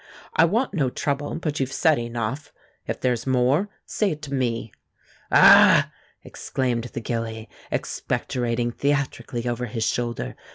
"I want no trouble, but you've said enough. If there's more, say it to me." "A a a h!" exclaimed the gilly, expectorating theatrically over his shoulder.